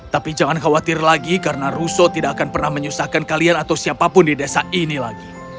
tapi jangan khawatir lagi karena russo tidak akan pernah menyusahkan kalian atau siapapun di desa ini lagi